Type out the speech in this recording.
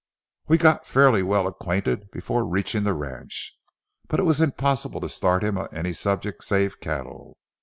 We got fairly well acquainted before reaching the ranch, but it was impossible to start him on any subject save cattle.